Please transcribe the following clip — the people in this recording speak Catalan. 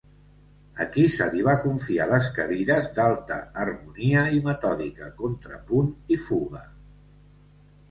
Aquí se li va confiar les cadires d'Alta Harmonia i Metòdica, Contrapunt i Fuga.